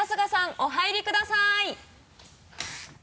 お入りください。